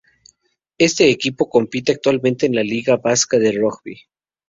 Este equipo compite actualmente en la liga vasca de rugby.